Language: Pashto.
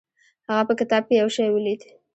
هغه په کتاب کې یو شی ولید.